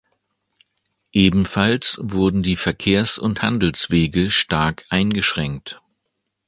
Ebenfalls wurden die Verkehrs- und Handelswege stark eingeschränkt.